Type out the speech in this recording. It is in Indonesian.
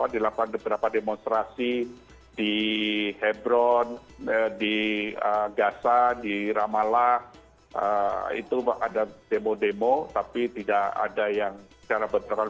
dilakukan beberapa demonstrasi di hebron di gaza di ramallah itu ada demo demo tapi tidak ada yang secara berterang